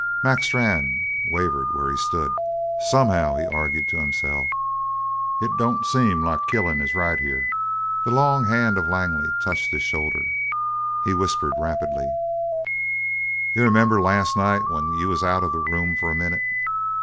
Mac Strann wavered where he stood. "Somehow," he argued to himself, "it don't seem like killin' is right, here." The long hand of Langley touched his shoulder. He whispered rapidly: "You remember last night when you was out of the room for a minute?